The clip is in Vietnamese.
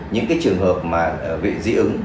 những trường hợp dị ứng